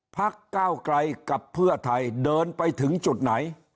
พักก้าวไกลกับเพื่อไทยเดินไปถึงจุดไหน